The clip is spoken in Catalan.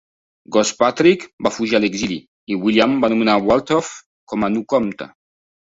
Gospatric va fugir a l'exili i William va nomenar Waltheof com a nou comte.